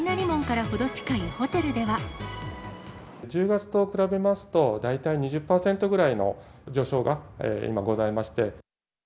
１０月と比べますと、大体２０％ぐらいの上昇が今ございまして。